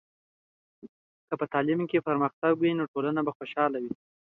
که په تعلیم کې پرمختګ وي، نو ټولنه به خوشحاله وي.